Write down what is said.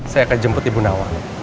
saya akan jemput ibu nawa